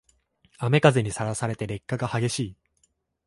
雨風にさらされて劣化が激しい